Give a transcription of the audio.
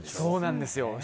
そうなんですよ。